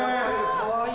かわいい。